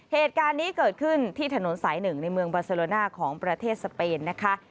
เหตุการณ์นี้เกิดขึ้นที่ถนนสายหนึ่งในเมืองบาเซโลน่าของประเทศสเปนนะคะ